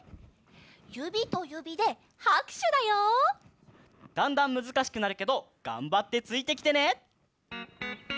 ゆびとゆびではくしゅだよ。だんだんむずかしくなるけどがんばってついてきてね！